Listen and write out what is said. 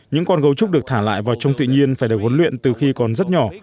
những con gấu trúc được thả lại vào trong tự nhiên phải được huấn luyện từ khi còn rất nhỏ